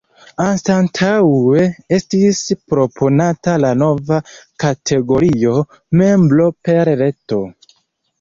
Anstataŭe estis proponata la nova kategorio “Membro per Reto”.